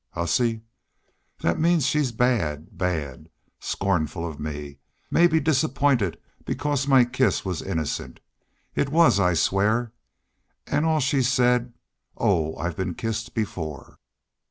Hussy? That means she's bad bad! Scornful of me maybe disappointed because my kiss was innocent! It was, I swear. An' all she said: 'Oh, I've been kissed before.'"